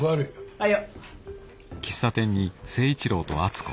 はいよ。